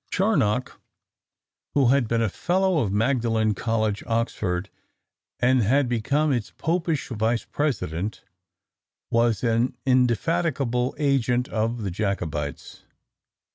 Charnock, who had been a Fellow of Magdalen College, Oxford, and had become its Popish vice president, was an indefatigable agent of the Jacobites.